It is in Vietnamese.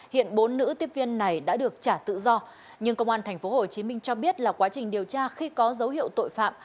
hiện bốn nữ tiếp viên này đã được trả tự do nhưng công an tp hcm cho biết là quá trình điều tra khi có dấu hiệu tội phạm